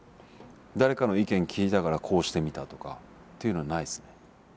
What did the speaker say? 誰かの意見聞いたからこうしてみたとかっていうのはないですね。